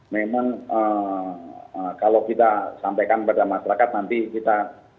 jadi memang kalau kita sampaikan pada masyarakat nanti kita